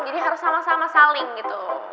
jadi harus sama sama saling gitu